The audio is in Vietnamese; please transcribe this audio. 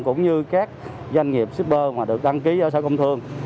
cũng như các doanh nghiệp shipper mà được đăng ký ở sở công thương